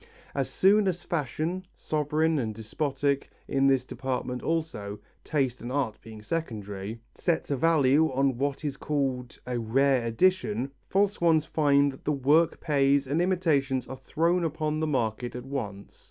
As soon as fashion sovereign and despotic in this department also, taste and art being secondary sets a value on what is called a rare edition, false ones find that the work pays and imitations are thrown upon the market at once.